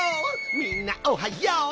みんなおはよう！